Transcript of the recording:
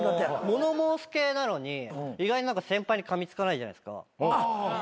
物申す系なのに意外に何か先輩にかみつかないじゃないですか。